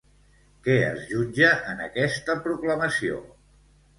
Què es jutja en aquesta proclamació?